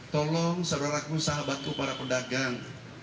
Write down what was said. tolong saudara saudara sahabatku para pedagang